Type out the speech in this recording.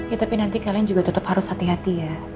ya tapi nanti kalian juga tetap harus hati hati ya